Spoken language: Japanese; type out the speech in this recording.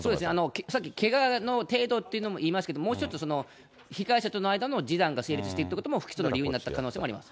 さっき、けがの程度っていうのも言いましたけれども、もう一つ、被害者との間の示談が成立しているということも、不起訴の理由になった可能性もあります。